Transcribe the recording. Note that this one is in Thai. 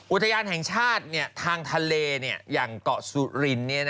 อุตญาณแห่งชาติทางทะเลเนี่ยอย่างเกาะสูฬิลเนี่ย